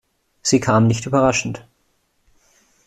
Sie kam nicht überraschend.